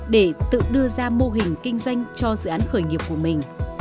để tự đưa ra mô hình kinh doanh cho dự án khởi nghiệp của mình